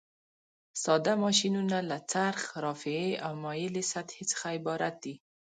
ساده ماشینونه له څرخ، رافعې او مایلې سطحې څخه عبارت دي.